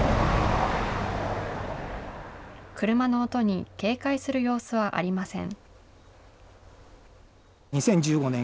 車の音に警戒する様子はありません。